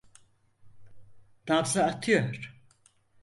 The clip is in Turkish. Nabzı atıyor.